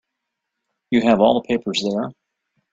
You have all the papers there.